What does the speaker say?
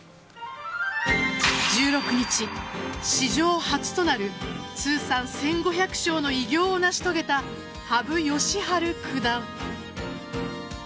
１６日、史上初となる通算１５００勝の偉業を成し遂げた羽生善治九段。